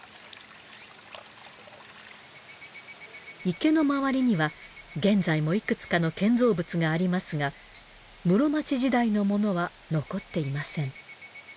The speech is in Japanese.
池の周りには現在もいくつかの建造物がありますが室町時代のものは残っていません。